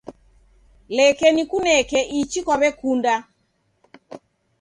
Leke nikuneke ichi kwaw'ekunda